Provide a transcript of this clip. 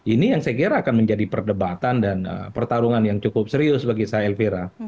ini yang saya kira akan menjadi perdebatan dan pertarungan yang cukup serius bagi saya elvira